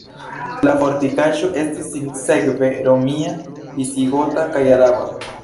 La fortikaĵo estis sinsekve romia, visigota kaj araba.